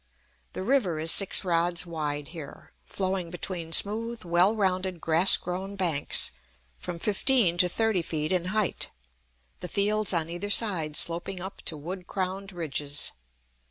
The river is six rods wide here, flowing between smooth, well rounded, grass grown banks, from fifteen to thirty feet in height, the fields on either side sloping up to wood crowned ridges.